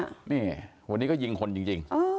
พอบอกพ่อย่างนี้วันนี้ก็ยิงคนจริง